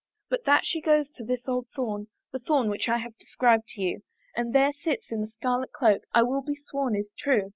But that she goes to this old thorn, The thorn which I've described to you, And there sits in a scarlet cloak, I will be sworn is true.